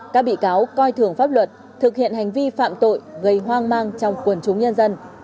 các bị cáo coi thường pháp luật thực hiện hành vi phạm tội gây hoang mang trong quần chúng nhân dân